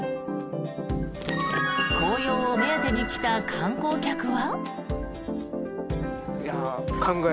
紅葉を目当てに来た観光客は。